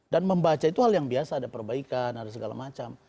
dan membaca itu hal yang biasa ada perbaikan ada segala macam